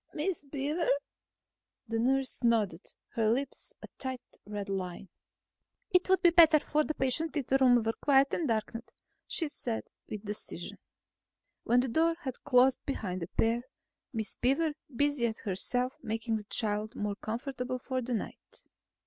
"Miss Beaver...?" The nurse nodded, her lips a tight red line. "It would be better for the patient if the room were quiet and darkened," she said with decision. When the door had closed behind the pair, Miss Beaver busied herself making the child more comfortable for the night.